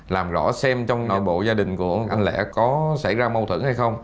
làm rõ xem trong nội bộ gia đình của anh lẽ có xảy ra mâu thuẫn hay không